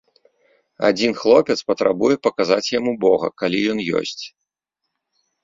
Адзін хлопец патрабуе паказаць яму бога, калі ён ёсць.